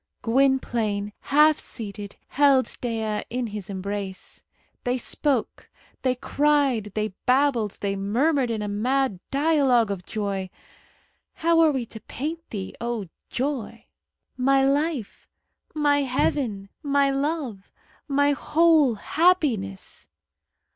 Gwynplaine, half seated, held Dea in his embrace. They spoke, they cried, they babbled, they murmured in a mad dialogue of joy! How are we to paint thee, O joy! "My life!" "My heaven!" "My love!" "My whole happiness!"